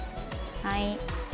はい。